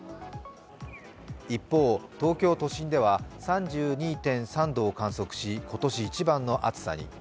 一方、東京都心では３２．３度を観測し今年一番の暑さに。